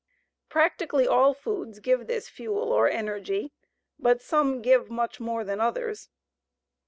Practically all foods give this fuel or energy, but some give much more than others.